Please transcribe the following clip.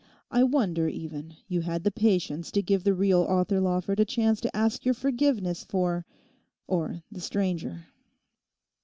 I wonder even you had the patience to give the real Arthur Lawford a chance to ask your forgiveness for—for the stranger.